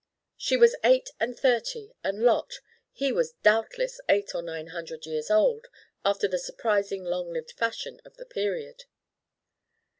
She was eight and thirty, and Lot he was doubtless eight or nine hundred years old, after the surprising long lived fashion of the period.